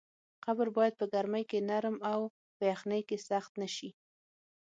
قیر باید په ګرمۍ کې نرم او په یخنۍ کې سخت نه شي